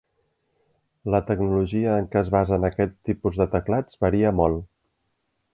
La tecnologia en què es basen aquest tipus de teclats varia molt.